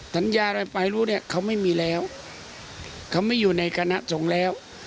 ทันยาอะไรผมไม่รู้ด้วยเขาไม่อยู่ในคณะส่งแล้ว